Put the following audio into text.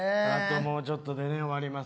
もうちょっとで終わります。